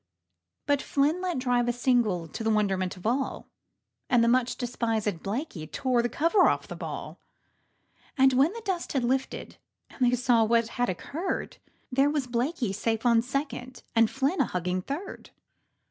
But Flynn let drive a single to the wonderment of all, And the much despisèd Blakey tore the cover off the ball, And when the dust had lifted and they saw what had occurred, There was Blakey safe on second, and Flynn a hugging third.